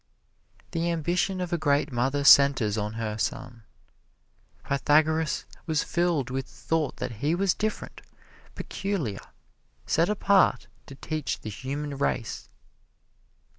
The ambition of a great mother centers on her son. Pythagoras was filled with the thought that he was different, peculiar, set apart to teach the human race.